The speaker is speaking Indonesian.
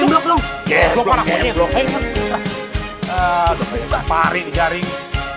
aduh pengen gak pari di jaring